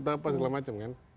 dan segala macam kan